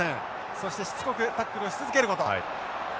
そしてしつこくタックルし続けること。